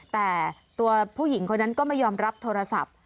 แต่ตัวผู้หญิงคนนั้นก็ไม่ยอมรับโทรศัพท์